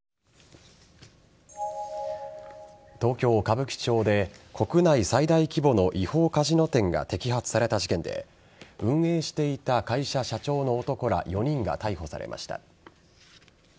東京・歌舞伎町で国内最大規模の違法カジノ店が摘発された事件で運営していた会社社長の男ら４人が逮捕されました。